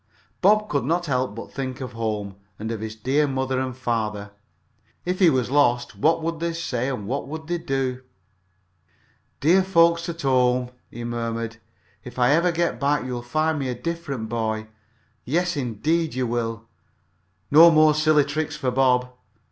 Bob could not help but think of home, and of his dear mother and father. If he was lost, what would they say and what would they do? "Dear folks at home!" he murmured. "If I ever get back you'll find me a different boy, yes, indeed, you will! No more silly tricks for Bob!"